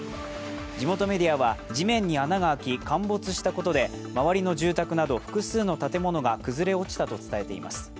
地元メディアは、地面に穴が開き陥没したことで周りの住宅など複数の建物が崩れ落ちたと伝えています。